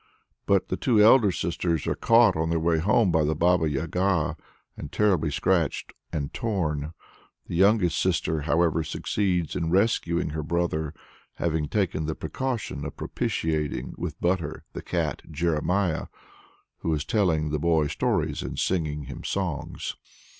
But the two elder sisters are caught on their way home by the Baba Yaga, and terribly scratched and torn. The youngest sister, however, succeeds in rescuing her brother, having taken the precaution of propitiating with butter the cat Jeremiah, "who was telling the boy stories and singing him songs."